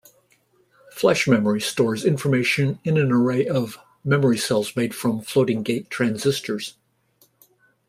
Flash memory stores information in an array of memory cells made from floating-gate transistors.